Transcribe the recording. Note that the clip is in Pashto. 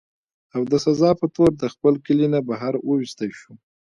او د سزا پۀ طور د خپل کلي نه بهر اوويستی شو